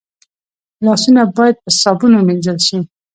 لاسونه باید په صابون ومینځل شي